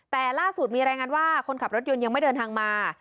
แต่ล่าสุดมีรายงานว่าคนขับรถยนต์ยังไม่เดินทางมา